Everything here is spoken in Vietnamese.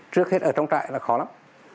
trước hết ở trong trại là khó lắm